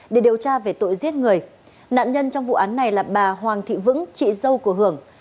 để điều tra về tội giết người nạn nhân trong vụ án này là bà hoàng thị vững chị dâu của hưởng